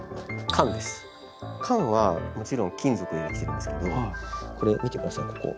缶はもちろん金属でできてるんですけどこれ見て下さいここ。